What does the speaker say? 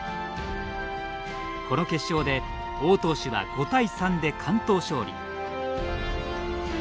この決勝で王投手は５対３で完投勝利。